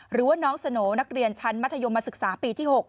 หรือว่าน้องสโหน่นักเรียนชั้นมัธยมศึกษาปีที่๖